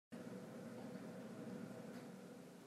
Lung a rilh caah ka zam.